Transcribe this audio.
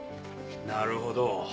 なるほど。